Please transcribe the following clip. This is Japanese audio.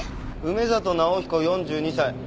梅里尚彦４２歳。